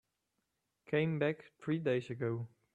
Came back three days ago.